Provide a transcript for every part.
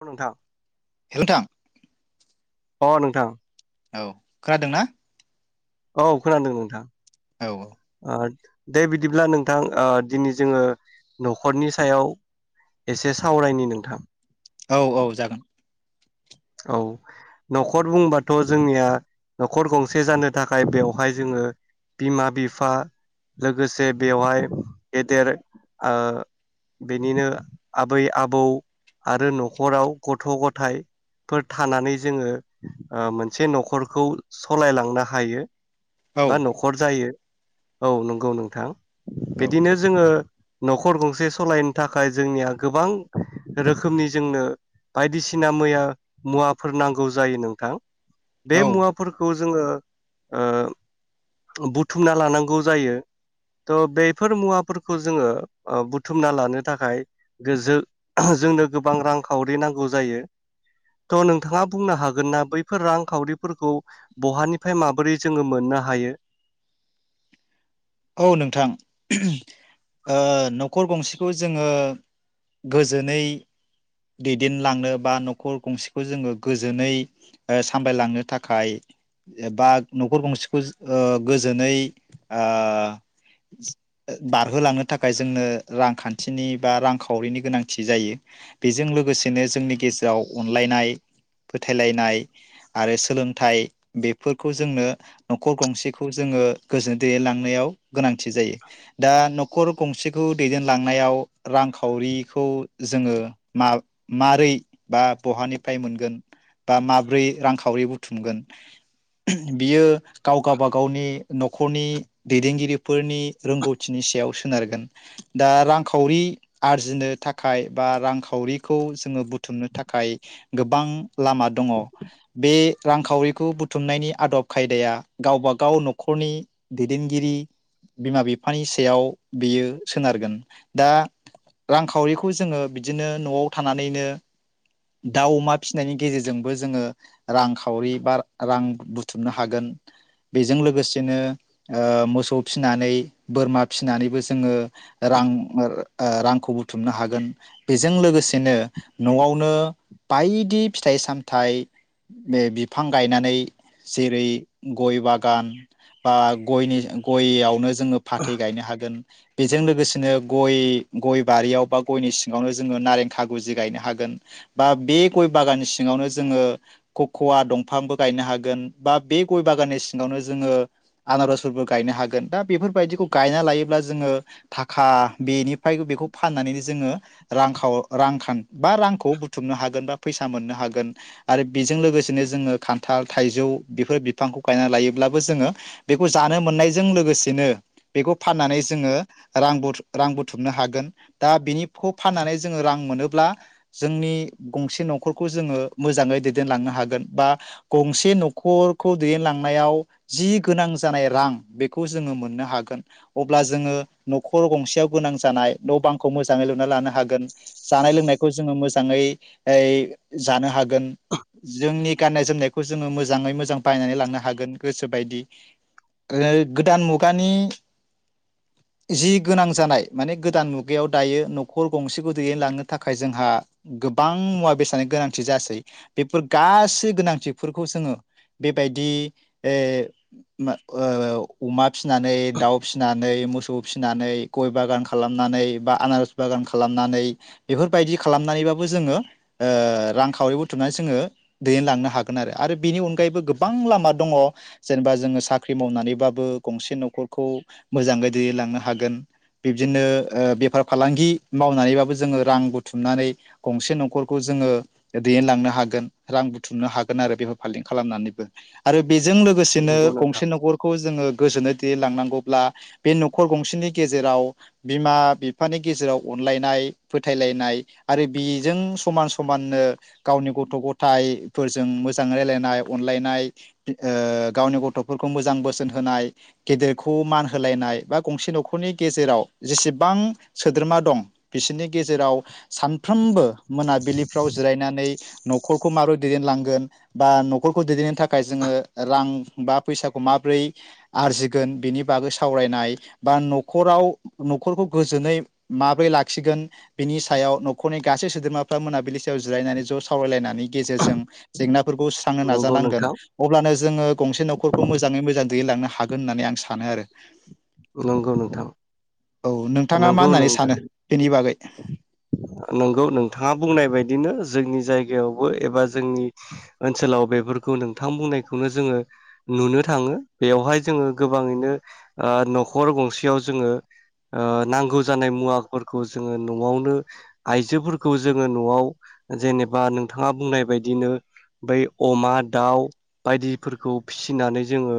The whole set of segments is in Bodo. औ नोंथां। हे नोंथां। अ नोंथां। औ खोनादोंना? औ खोनादों नोंथां। औ औ। दे बिदिब्ला नोंथां ओ दिनै जोंङो नखरनि सायाव एसे सावरायनि नोंथां। औ औ जागोन। औ। नखर बुंबाथ जोंनिया नखर गंसे जानो थाखाय बेवहाय जोंङो बिमा बिफा लोगोसे बेवहाय गेदेर ओ बेनिनो आबै आबौ आरो नखराव गथ गथाय फोर थानानै जोंङो ओ मोनसे नखरखौ सलायलांनो हायो। औ बा नखर जायो। औ नंगौ नोंथां औ बिदिनो जोङो न'खर गंसे सलायनो थाखाय जोंनिया गोबां रोखोमनि जोंनो बायदिसिना मैया मुवाफोर नांगौ जायो नोंथां बे औ मुवाफोरखौ जोङो ओ बुथुमना लानांगौ जायो थ' बेफोर मुवाफोरखौ जोङो ओ बुथुमना लानो थाखाय गोजो जोंनो गोबां रांखावरि नांगौ जायो थ' नोंथाङा बुंनो हागोन ना बैफोर रांखावरिफोरखौ बहानिफ्राय माबोरै जोङो मोननो हायो औ नोंथां ओ न'खर गंसेखौ जोङो गोजोनै दैदेनलांनो बा न'खर गंसेखौ जोङो गोजोनै ओ सामलायलांनो थाखाय बा न'खर गंसेखौ ओ गोजोनै ओ बारहोलांनो थाखाय जोंनो रांखान्थिनि बा रांखावरिनि गोनांथि जायो बेजों लोगोसेनो जोंनि गेजेराव अनलायनाय फोथायलायनाय आरो सोलोंथाइ बेफोरखौ जोंनो न'खर गंसेखौ जोङो गोजोनै दैदेनलांनायाव गोनांथि जायो दा न'खर गंसेखौ दैदेनलांनायाव रांखावरिखौ जोङो माब मारै बा बहानिफ्राय मोनगोन बा माब्रै रांखावरि बुथुमगोन बियो गाव गावबागावनि न'खरनि दैदेनगिरि फोरनि रोंगौथिनि सायाव सोनारगोन दा रांखावरि आरजिनो थाखाय बा रांखावरिखौ जोङो बुथुमनो थाखाय गोबां लामा दङ बे रांखावरिखौ बुथुमनायनि आदब खायदाया गावबागाव न'खरनि दैदेनगिरि बिमा बिफानि सायाव बियो सोनारगोन दा रांखावरिखौ जोङो बिदिनो न'आव थानानैनो दाउ अमा फिसिनायनि गेजेरजोंबो जोङो रां खावरि बा रां बुु बुथुमनो हागोन बेजों लोगोसेनो ओ मोसौ फिसिनानै बोरमा फिसिनानैबो जों जोङो रां ओर ओ रांखौ बुथुमनो हागोन बेजों लोगोसेनो न'आवनो बायदि फिथाइ सामथाइ ओ बिफां गायनानै जेरै गय बागान बा गयनि गयावनो ज जोङो फाथै गायनो हागोन बेजों लोगोसेनो गय गय बारियाव बा गयनि सिङावनो जोङो नारें खागुजि गायनो हागोन बा बे गय बागाननि सिङावनो जोङो खख'वा दंफांबो गायनो हागोन बा बे गय बागाननि सिङावनो जोङो आनारसफोरबो गायनो हागोन दा बेफोरबायदिखौ गायना लायोब्ला जोङो थाखा बेनिफ्राय बेखौ फाननानैनो जोङो रांखाउ रांखान बा रांखौ बुथुमनो हागोन बा फैसा मोननो हागोन आरो बेजों लोगोसेनो जोङो खान्थाल थाइजौ बेफोर बिफांखौ गायनानै लायोब्लाबो जोङो बेखौ जानो मोननायजों लोगोसेनो बेखौ फाननानै जोङो रां बुथु रां बुथुमनो हागोन दा बेनिखौ फाननानै जोङो रां मोनोब्ला जोंनि गंसे न'खरखौ जोङो मोजाङै दैदेनलांनो हागोन बा गंसे न'खरखौ दैदेनलांनायाव जि गोनां जानाय रां बेखौ जोङो मोननो हागोन अब ब्ला जोङो न'खर गंसेयाव गोनां जानाय न' बांखौ मोजाङै लुना लानो हागोन जानाय लोंनाय बेखौ जोङो मोजाङै ओइ जानो हागोन जोंनि गाननाय जोमनायखौ जोङो मोजाङै मोजां बायनानै लांनो हागोन गोसोबायदि ओ गोदान मुगानि जि गोनां जानाय माने गोदान मुगायाव दायो न'खर गंसेखौ दैदेन लांनो थाखाय जोंहा गोब गोबां मुवा बेसादनि गोनांथि जासै बेफोर गासै गोनांथिफोरखौ जोङो बेबायदि ओ माओ अमा फिनानै दाउ फिनानै मोसौ फिनानै गय बागान खालामनानै बा आनारस बागान खालामनानै बेफोरबायदि खालामनानैबा बो जोङो ओ रांखावरि बुथुमनानै जोङो दैदेनलांनो हागोन आरो आरो बेनि अनगायैबो गोबां लामा दङ जेनेबा जोङो साख्रि मावनानैबाबो गंसे न'खरखौ मोजाङै दैदेनलांनो हागोन बिब्दिनो ओ बेफार फालांगि मावनानैबाबो जोङो रां बुथुमनानै गंसे न'खरखौ जोङो दैदेनलांनो हागोन रां बुथुमनो हागोन आरो बेफोर फालांगि खालामनानैबो आरो बेजों लोगोसेनो नंगौ नोंथां गंसे न'खरखौ जोङो गोजोनै दैदेन लांनांगौब्ला बे न'खर गंसेनि गेजेराव बिमा बिफानि गेजेराव अनलायनाय फोथायलायनाय आरो बिजों समान समाननो गावनि गथ' गथाइफोरजों मोजां रायलायनाय अनलायनाय ओ गावनि गथ'फोरखौ मोजां बोसोन होनाय गेदेरखौ मान होलायनाय बा गंसे न'खरनि गेजेराव जेसेबां सोद्रोमा दं बिसोरनि गेजेराव सान फ्रामबो मोनाबिलिफ्राव जिरायनानै न'खरखौ माबोरै दैदेनलांगोन बा न'खरखौ दैदेननो थाखाय जोङो रां बा फैसाखौ माबोरै आरजिगोन बेनि बागै सावरायनाय बा न'खराव न'खरखौ गोजोनै माबोरै लाखिगोन बिनि सायाव न'ख खरनि गासै सोद्रोमाफ्रा मोनाबिलि सायाव जिरायनानै ज' सावरायलायनायनि गेजेरजों जेंना फोरखौ सुस्रांनो नंगौ नाजानांगोन नोंथां अब्लानो जोङो गंसे न'खरखौ मोजाङै मोजां दैदेन लांनो हागोन होननानै आं सानो आरो नंगौ नोंथां [inaudible] औ नोंथाङा मा नंगौ होननानै नोंथां सानो बेनि बागै? [inaudible] नोंगौ नोंथाङा बुंनाय बायदिनो जोंनि जायगायावबो एबा जोंनि ओनसोलाव बेफोरखौ नोंथां बुंनायखौनो जोङो नुनो थाङो। बेवहाय जोङो गोबाङैनो ओ न'खर गंसेयाव जोङो ओ नांगौ जानाय मुवाफोरखौ ज जोङो न'आवनो आइजोफोरखौ जोङो न'आव जेनेबा नोंथाङा बुंनाय बायदिनो बै अमा, दाउ बायदिफोरखौ फिसिनानै जोंङो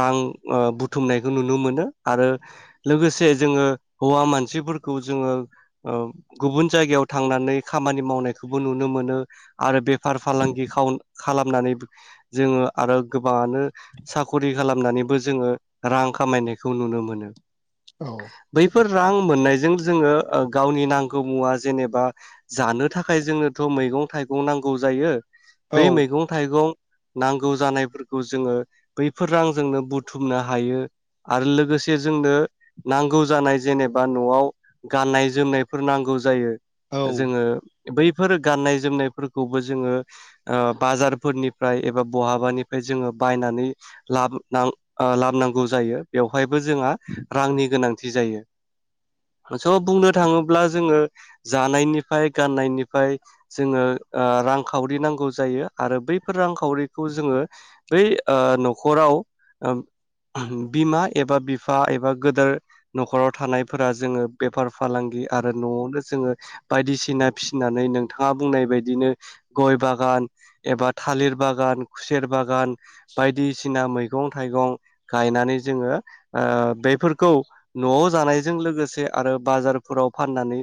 रां ओ बुथुमनायखौ नुनो मोनो आरो लोगोसे जोंङो हौवा मानसिफोरखौ जोङो ओ गुबुन जायगायाव थांनानै खामानि मावनायखौबो नुनो मोनो आरो बेफार फालांगि खाव-खालामनानैबो जोंङो आरो गोबांङानो साखरि खालामनानैबो जोंङो रां खामायनायखौ नुनो मोनो। औ बैफोर रां मोननायजों जोंङो ओ गावनि नांगौ मुवा जेनेबा जानो थाखाय जोंनोथ मैगं-थाइगं नांगौ जायो औ बै मैगं-थाइगं नांगौ जानायफोरखौ जोंङो बैफोर रांजोंनो बुथुमनो हायो आरो लोगोसे जोंनो नांगौ जानाय जेनेबा न'आव गाननाय जोमनायफोर नांगौ जायो। औ जोंङो बैफोर गान्नाय जोमनायफोरखौबो जोंङो ओ बाजारफोरनिफ्राय एबा बहाबानिफ्राय जोंङो बायनानै लाब नां ओ लाबोनांगौ जायो बेवहायबो जोंहा रांनि गोनांथि जायो। स' बुंनो थाङोब्ला जोंङो जानायनिफ्राय गाननायनिफ्राय जोंङो ओ रांखावरि नांगौ जायो आरो बैफोर रांखावरिखौ जोंङो बै ओ नखराव ओ ओहोम बिमा एबा बिफा एबा गोदोर नखराव थानायफोरा जोङो बेफार फालांगि आरो नआवनो जोंङो बायदिसिना फिसिनानै नोंथाङा बुंनाय बायदिनो गय बागान एबा थालिर बागान खुसेर बागान बायदिसिना मैगं-थाइगं गायनानै जोङो बेफोरखौ नआव जानायजों लोगोसे आरो बाजारफोराव फाननानै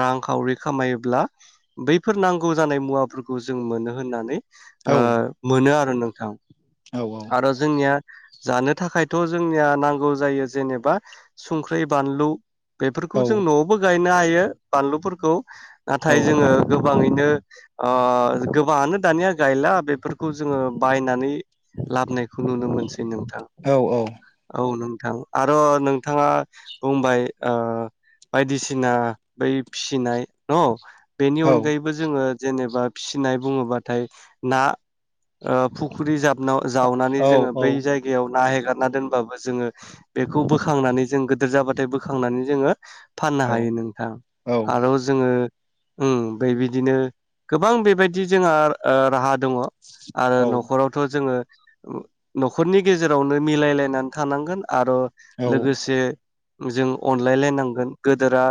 रांखावरि खामायोब्ला बैफोर नांगौ जानाय मुवाफोरखौ जों मोनो होननानै औ ओ मोनो आरो नों औ आरो जोंनिया जानो थाखायथ जोंनिया नांगौ जायो जेनेबा संख्रै बानलु बेफोरखौ औ जों नआवबो गाय नो हायो बानलुफोरखौ औ नाथाय जोंङो गोबांङै नो ओ गोबांङानो दानिया गायला बेफोरखौ जोंङो बायनानै लाबोनायखौ नुनो मोनसै नोथां औ औ नों थां आरो नोंथाङा बुंबाय ओ बायदिसिना बै फिसिनाय नवाव बेनि औ अनगायैबो जोंङो जेनेबा फिसिनाय बुंङोबाथाय ना ओ फुख्रि जाब नाव जावनानै औ जोंङो बै जायगायाव ना ए गारना दोनबाबो जोंङो बेखौ बोखांनानै जों गेदेर जाबाथाय बो खांनानै जोंङो फाननो हायो नोंथां आरो जोंङो उम बे बिदिनो गोबां बेबायदि जोंङो ओ राहा दङ आरो नखरावथ जोंङो नखरनि गेजेरावनो मिलायलायनानै थानांगोन आरो लोगोसे जों अनलायलायनांगोन गोदोरा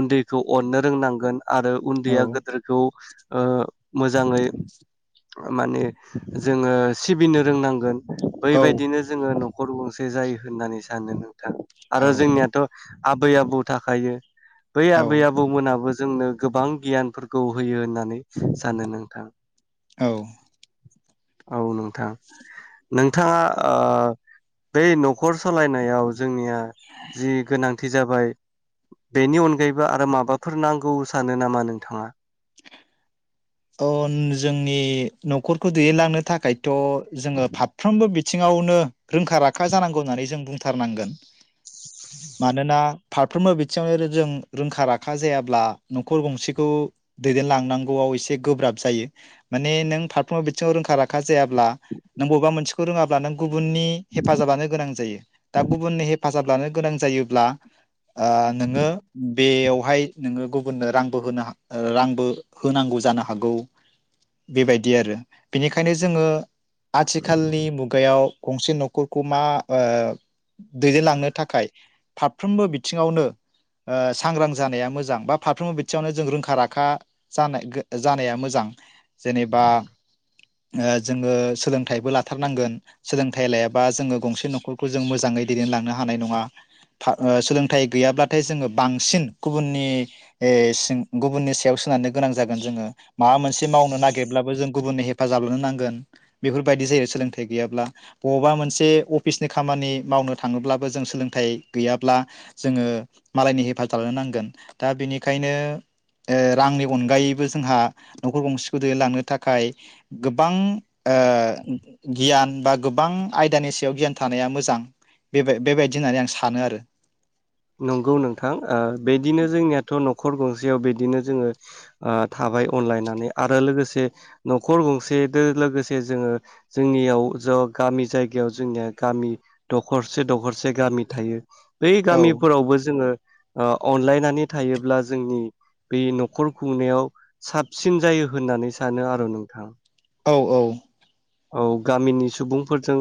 उन्दैखौ अननो रोंनांगोन आरो उन्दैया गेदोरखौ ओ मोजाङै माने जोंङो सिबिनो रोंनांगोन बै औ बायदिनो जोंङो न' खर गंसे जायो होननानै सानो नों थां आरो औ जोंनिया आबै आबौ थाखायो बै आबै आबौमोनाबो जोंनो गोबां गियानफोरखौ होयो होननानै सानो नोंथां औ औ नों नों थांङा ओ बै न'खर सालायनायाव जोंनिया गोनांथि जाबाय बेनि अनगायैबो आरो माबाफोर नांगौ सानो नामा नोंथाङा अ जोंनि न'खरखौ दैदेनलांनो थाखाय थ जोंङो फारफ्रोमबो बि थिंङावनो रोंखा राखा जानांगौ होननानै जों बुंथारनांगोन मानोना फारफ्रोमबो बिथिङावनो जों रोंखा राखा जायाब्ला न'खर गंसेखौ दैदेनलांनांगौयाव एसे गोब्राब जायो माने नों फारफ्रोमबो बिथिंङाव रोंखा राखा जायाब्ला नों बबेबा मोनसेखौ रोंङाब्ला नों गुबुननि हेफाजाबनो गोनां जायो दा गुबुननि हे फाजाब लानो गोनां जायोब्ला ओ नोंङो बेयावहाय नोंङो गुबुननो रांबो होनो ओ रांबो होनांगौ जानो हा हागौ बेबायदि आरो बेनिखायनो जोंङो आथिखालनि मुगायाव गंसे न'खरखौ मा ओ दैदेनलांनो थाखाय फारफ्रोमबो बिथिङावनो ओ सांग्रां जानाया मोजां बा फारफ्रोमबो बिथिङावनो जों रोंखा राखा जानो गोन जानाया मोजां जेनेबा जोंङो सोलोंथाइबो लाथारनांगोन सोलोंथाइ लायाबा जोंङो गंसे न'खरखौ जों मोजाङै दैदेनलांनो हानाय नंङा सोलोंथाइ गैयाब्लाथाय जोंङो बांसिन गुबुननि सि गुबुननि सायाव सोनारनो गोनां जागोन जोंङो माबा मोनसे मावनो नागिरब्लाबो जों गुबुननि हेफाजाब नांगोन बेफोर बादि जे सोलोंथाइ गैयाब्ला अबबा मोनसे अफिसनि खामानि मावनो थांङोब्लाबो सोलोंथाइ गैयाब्ला जोंङो मालायनि हेफाजाब लानो नांगोन दा बेनिखायनो ओ रांनि अनगायै बो जोंहा न'खर गंसेखौ दैलांनो थाखाय गोबां ओ गियान बा गोबां आयदानि सायाव गियान थानाया मोजां बे बेबायदि होननानै आं सानो आरो नंगौ नोंथां ओ बेदिनो जोंनियाथ' न' खर गंसेयाव बिदिनो जोंङो थाबाय अनलायनानै आरो लोगोसे न'खर गंसेजों लोगोसे जोंङो जोंनियाव ज' गामि जायगायाव जोंनिया गामि दखरसे दखरसे गामि थायो बेै औ गामि खौबो जोङो ओ अनलायनानै थायोब्ला जोंनि बे न'खर खुंनायाव साबसिन जायो होननानै सानो आरो नोंथां औ औ औ गामिनि सुबुंफोरजों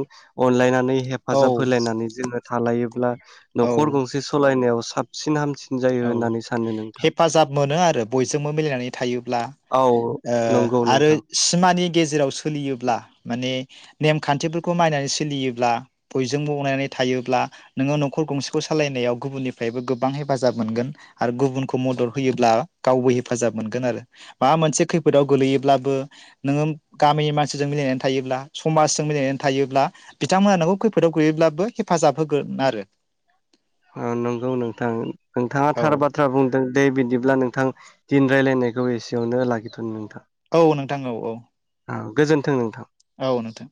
अनलायनानै औ हेफाजाब होलायनानै जोङो थालायोब्ला औ न'खर गंसे सालायनायाव साबसिन हामसिन जायो औ होननानै सानो नोंथां हेफाजाब मोनो आरो बयजोंबो मिलायनानै थायोब्ला औ ओ नंगौ आरो नोंथां सिमानि गेजेराव सोलियोब्ला माने नेम खान्थिफोरखौ मानिनानै सोलियोब्ला बयजोंबो अनलायनानै थायोब्ला नोङो न'खर गंसेखौ सालायनायाव गुबुननिफ्रायबो गोबां हेफाजाब हेफाजाब मोनगोन आरो गुबुनखौ मदद होयोब्ला गावबो हेफाजाब मोनगोन आरो माबा मोनसे खैफोदाव गोलैयोब्लाबो नोङो गामिनि मानसिजों मिलायनानै थायोब्ला समाजजों मिलायनानै थायोब्ला बिथांमोनहा नोंखौ खैफोदाव गोलैयोब्लाबो हेफाजाब होगोन आरो अ नोंगौ नोंथां नोंथाङा औ थार बाथ्रा बुंदों दे बिदिब्ला नोंथां दिनै रायलायनायखौ एसेयावनो लाखिथ'नि नोंथां औ नोंथां औ औ गोजोन्थों नोंथां औ नोंथां